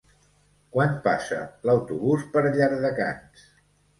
Quan passa l'autobús per Llardecans?